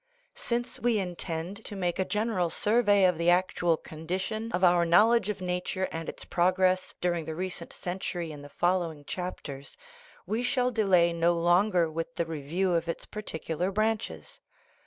Since we intend to make a general survey of the act ual condition of our knowledge of nature and its prog ress during the present century in the following chap ters, we shall delay no longer with the review of its particular branches.